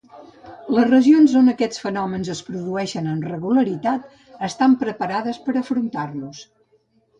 Les regions on aquests fenòmens es produeixen amb regularitat estan preparades per afrontar-los.